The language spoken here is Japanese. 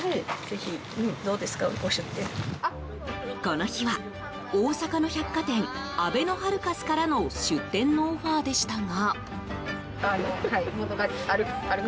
この日は、大阪の百貨店あべのハルカスからの出店のオファーでしたが。